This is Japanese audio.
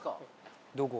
どこ？